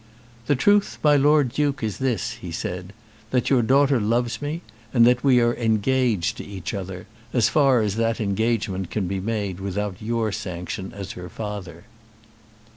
"The truth, my Lord Duke, is this," he said, "that your daughter loves me, and that we are engaged to each other, as far as that engagement can be made without your sanction as her father."